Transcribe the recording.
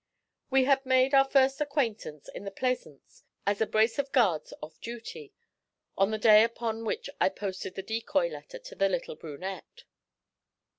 We had made our first appearance in the Plaisance as a brace of guards off duty, on the day upon which I posted the decoy letter to the little brunette.